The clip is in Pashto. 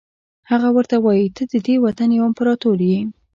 هغه ورته وایي ته ددې وطن یو امپراتور یې.